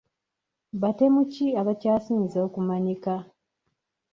Batemu ki abakyasinze okumanyika?